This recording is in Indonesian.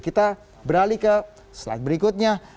kita beralih ke slide berikutnya